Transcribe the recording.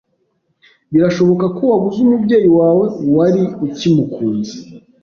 Birashoboka ko wabuze umubyeyi wawe wari ukimukunze